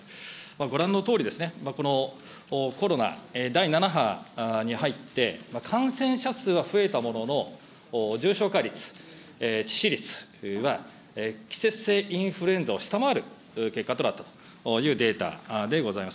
ご覧のとおり、このコロナ第７波に入って、感染者数は増えたものの、重症化率、致死率は季節性インフルエンザを下回る結果となったというデータでございます。